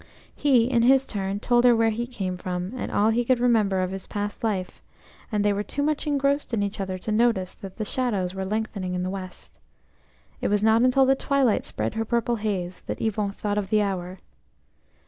He in his turn told her where he came from, and all he could remember of his past life, and they were too much engrossed in each other to notice that the shadows were lengthening in the west. It was not until the twilight spread her purple haze that Yvon thought of the hour.